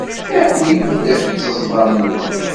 Awim-d ṭṭezḍam-nwen.